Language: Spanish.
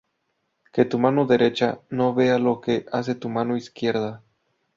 Que tu mano derecha no vea lo que hace tu mano izquierda